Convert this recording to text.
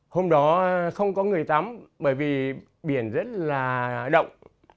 hôm đó không có người tắm bởi vì biển rất là động